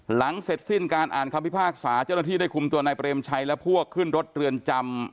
หลังเสร็จสิ้นการอ่านคำพิพากษาเจ้าหน้าที่ได้คุมตัวนายเปรมชัยและพวกขึ้นรถเรือนจำ